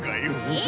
え？